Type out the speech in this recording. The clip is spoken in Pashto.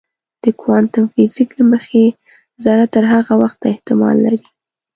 د کوانتم فزیک له مخې ذره تر هغه وخته احتمال لري.